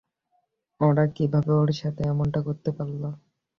ওরা কীভাবে ওর সাথে এমনটা করতে পারলো?